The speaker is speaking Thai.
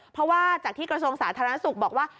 เพราะว่าจากที่กระทรวงสาธารณสุขบอกว่า